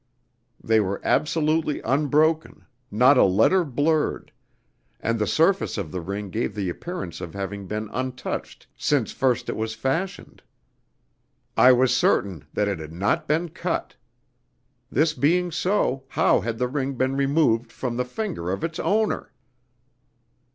They were absolutely unbroken, not a letter blurred, and the surface of the ring gave the appearance of having been untouched since first it was fashioned. I was certain that it had not been cut. This being so, how had the thing been removed from the finger of its owner?